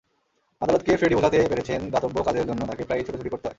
আদালতকে ফ্রেডি বোঝাতে পেরেছেন দাতব্য কাজের জন্য তাঁকে প্রায়ই ছোটাছুটি করতে হয়।